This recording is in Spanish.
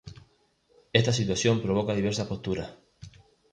Esta situación provoca diversas posturas.